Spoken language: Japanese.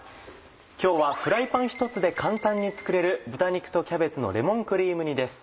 今日はフライパンひとつで簡単に作れる「豚肉とキャベツのレモンクリーム煮」です。